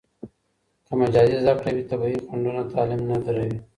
که مجازي زده کړه وي، طبیعي خنډونه تعلیم نه دروي.